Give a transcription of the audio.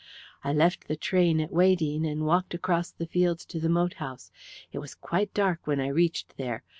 I left the train at Weydene, and walked across the fields to the moat house. It was quite dark when I reached there.